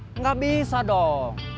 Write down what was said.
tidak bisa dong